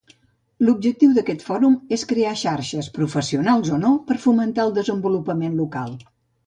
L'objectiu d'aquest fòrum és crear xarxes, professionals o no, per fomentar el desenvolupament local.